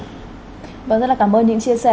rất là cảm ơn những chia sẻ